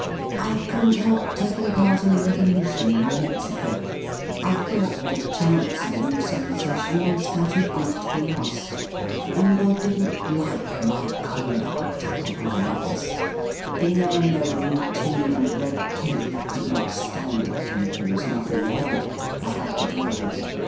I couldn't help taking part in a revolu tion in Mexico — I thought the chance of a new sensation was far too good to be lost — and they didn't like my con duct at the Foreign Ofiice ; the men of routine and red tape could not stand it, and there was nothing for it. I had to go.